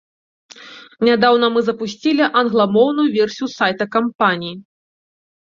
Нядаўна мы запусцілі англамоўную версію сайта кампаніі.